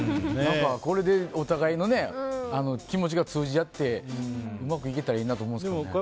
これでお互いの気持ちが通じ合ってうまくいけたらいいなと思うんですけどね。